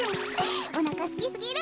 おなかすきすぎる。